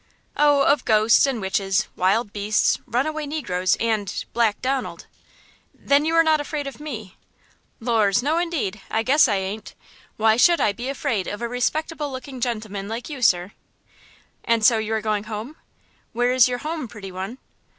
"Oh, of ghosts and witches, wild beasts, runaway negroes, and–Black Donald." "Then you are not afraid of me?" "Lors, no, indeed! I guess I ain't! Why should I be afraid of a respectable looking gentleman like you, sir?" "And so you are going home? Where is your home, pretty one?"